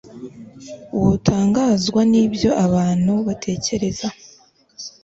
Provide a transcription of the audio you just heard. Wotangazwa nibyo abantu batekereza